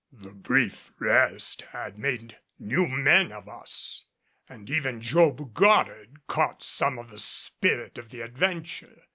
The brief rest had made new men of us, and even Job Goddard caught some of the spirit of the adventure.